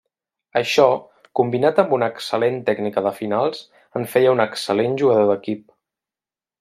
Això, combinat amb una excel·lent tècnica de finals, en feia un excel·lent jugador d'equip.